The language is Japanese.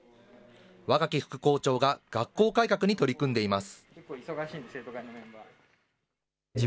若き副校長が学校改革に取り組んでいます。